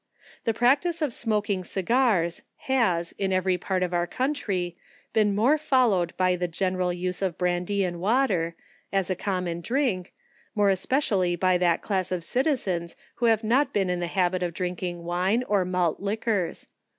The practice of smoking segars, has in every part of our country, been more followed by a general use of brandy and water, as a common drink, more especially by that class of citizens who have not been in the habit of drinking wine, or malt liquors.